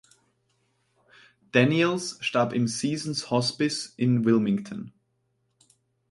Daniels starb im Seasons Hospice in Wilmington.